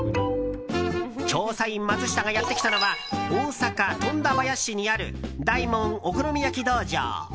調査員マツシタがやってきたのは大阪・富田林市にある大門お好み焼道場。